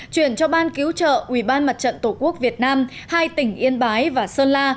chuyển cho ban cứu trợ ủy ban mặt trận tổ quốc việt nam hai tỉnh yên bái và sơn la